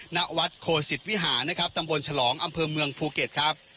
ณวัดโคศิษฐ์วิหาตำบลฉลองอำเภอเมืองภูเก็ต